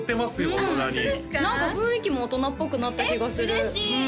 大人に何か雰囲気も大人っぽくなった気がするえっ嬉しい！